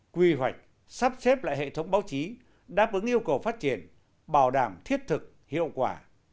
quy hoạch sắp xếp lại hệ thống báo chí đáp ứng yêu cầu phát triển bảo đảm thiết thực hiệu quả